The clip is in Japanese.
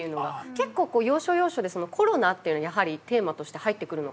結構要所要所でコロナっていうのがやはりテーマとして入ってくるのかなと思っていて。